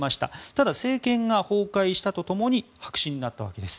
ただ、政権が崩壊したと共に白紙になったわけです。